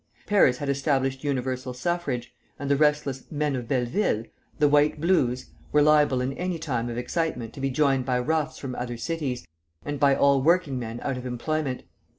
France had established universal suffrage, and the restless "men of Belleville," the "white blouses," were liable in any time of excitement to be joined by roughs from other cities, and by all working men out of employment.